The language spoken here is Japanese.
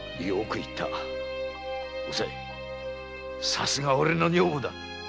さすが俺の女房だ。